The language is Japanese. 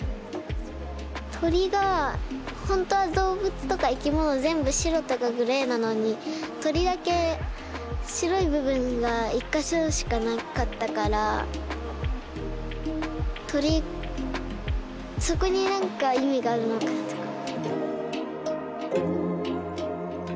鳥がほんとは動物とか生き物全部白とかグレーなのに鳥だけ白い部分が１か所しかなかったから鳥そこになんか意味があるのかなとか。